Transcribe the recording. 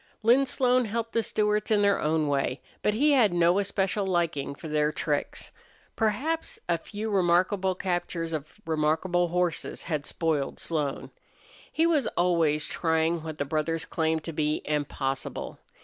Lin Slone helped the Stewarts in their own way, but he had no especial liking for their tricks. Perhaps a few remarkable captures of remarkable horses had spoiled Slone. He was always trying what the brothers claimed to be impossible.